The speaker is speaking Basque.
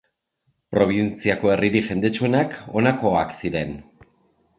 Probintziako herririk jendetsuenak honakoak ziren.